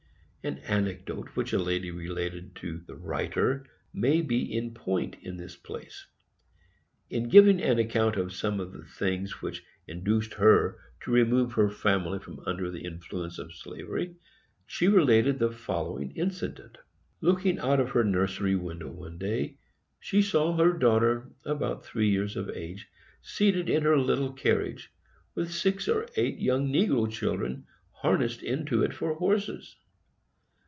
An anecdote which a lady related to the writer may be in point in this place. In giving an account of some of the things which induced her to remove her family from under the influence of slavery, she related the following incident: Looking out of her nursery window one day, she saw her daughter, about three years of age, seated in her little carriage, with six or eight young negro children harnessed into it for horses.